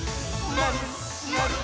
「まる、まるっ」